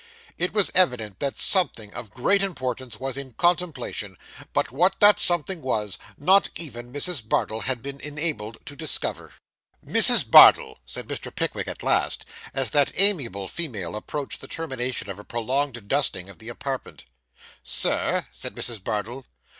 It was evident that something of great importance was in contemplation, but what that something was, not even Mrs. Bardell had been enabled to discover. 'Mrs. Bardell,' said Mr. Pickwick, at last, as that amiable female approached the termination of a prolonged dusting of the apartment. 'Sir,' said Mrs. Bardell.